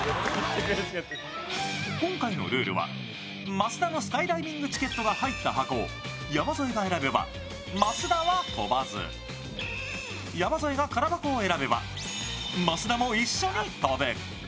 今回のルールは益田のスカイダイビングチケットが入った箱を山添が選べば益田は飛ばず山添が空箱を選べば益田も一緒に飛ぶ。